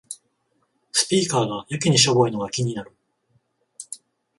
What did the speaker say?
スピーカーがやけにしょぼいのが気になる